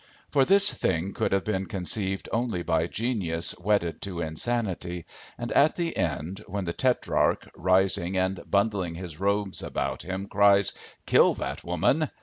For this thing could have been conceived only by genius wedded to insanity and, at the end, when the tetrarch, rising and bundling his robes about him, cries: "Kill that woman!"